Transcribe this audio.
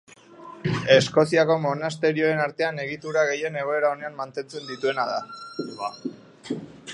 Eskoziako monasterioen artean egitura gehien egoera onean mantentzen dituena da.